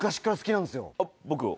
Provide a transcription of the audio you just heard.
僕を？